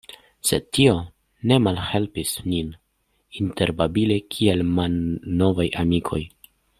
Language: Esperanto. Sed tio ne malhelpis nin interbabili kiel malnovaj amikoj.